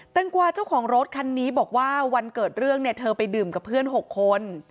งกวาเจ้าของรถคันนี้บอกว่าวันเกิดเรื่องเนี่ยเธอไปดื่มกับเพื่อน๖คน